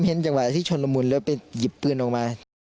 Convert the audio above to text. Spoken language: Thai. ผมเห็นจังหวะที่ชนละมุนเลยไปหยิบปืนออกมา